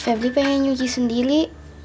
febri pengen nyuci sendiri